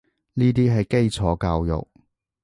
呢啲係基礎教育